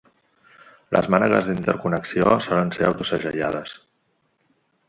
Les mànegues d'interconnexió solen ser autosegellades.